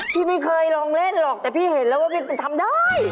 พี่ไม่เคยลองเล่นหรอกแต่พี่เห็นแล้วว่าพี่เป็นทำได้